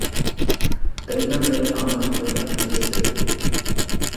دەيمەن مەيلى ئانا تىلىم ئەبجەش تىل.